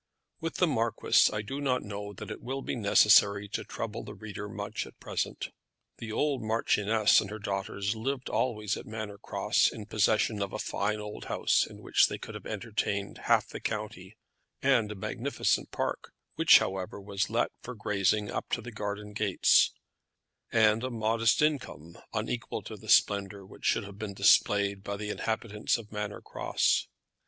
With the marquis I do not know that it will be necessary to trouble the reader much at present. The old marchioness and her daughters lived always at Manor Cross in possession of a fine old house in which they could have entertained half the county, and a magnificent park, which, however, was let for grazing up to the garden gates, and a modest income unequal to the splendour which should have been displayed by the inhabitants of Manor Cross.